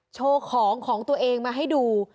โชว์ของของตัวเองมาให้ดู